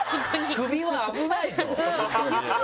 首は危ないぞ。